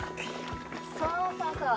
そうそうそう。